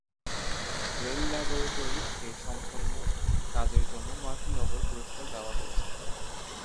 Bell ল্যাবরেটরিস-এ সম্পন্ন কাজের জন্য নয়টি নোবেল পুরস্কার দেওয়া হয়েছে।